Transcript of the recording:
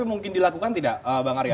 mungkin dilakukan tidak bang arya